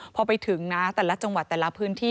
พอไปถึงนะแต่ละจังหวัดแต่ละพื้นที่